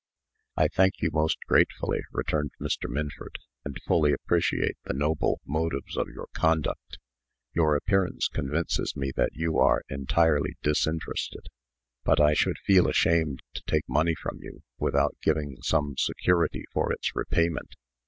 "I thank you most gratefully," returned Mr. Minford, "and fully appreciate the noble motives of your conduct. Your appearance convinces me that you are entirely disinterested. But I should feel ashamed to take money from you, without giving some security for its repayment.